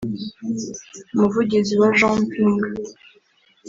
Umuvugizi wa Jean Ping